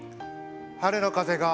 「春の風が」。